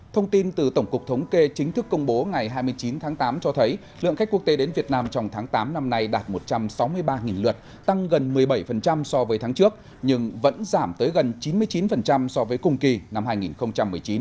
thông tin từ tổng cục thống kê chính thức công bố ngày hai mươi chín tháng tám cho thấy lượng khách quốc tế đến việt nam trong tháng tám năm nay đạt một trăm sáu mươi ba lượt tăng gần một mươi bảy so với tháng trước nhưng vẫn giảm tới gần chín mươi chín so với cùng kỳ năm hai nghìn một mươi chín